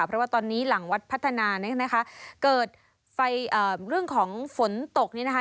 เพราะว่าตอนนี้หลังวัดพัฒนาเนี่ยนะคะเกิดไฟเรื่องของฝนตกนี้นะคะ